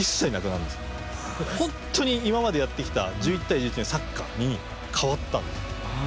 ほんとにいままでやってきた１１たい１１のサッカーにかわったんですよ。